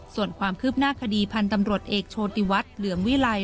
ส่วนความคืบหน้าคดีพันธ์ตำรวจเอกโชติวัฒน์เหลืองวิลัย